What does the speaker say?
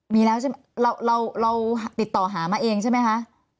มีแล้วใช่ไหมเราติดต่อหามาเองใช่ไหมคะ